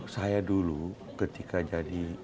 saya dulu ketika jadi